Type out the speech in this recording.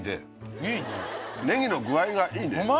ねぎの具合がいいね。